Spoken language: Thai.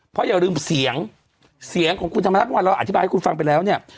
เพราะอย่าลืมเสียงเสียงของคุณธรรมนัฐเมื่อวานเราอธิบายให้คุณฟังไปแล้วเนี่ย